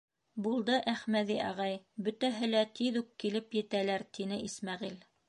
— Булды, Әхмәҙи ағай, бөтәһе лә тиҙ үк килеп етәләр, — тине Исмәғил.